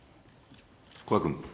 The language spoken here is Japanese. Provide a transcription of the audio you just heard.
古賀君。